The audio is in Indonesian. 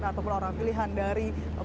atau pula orang pilihan dari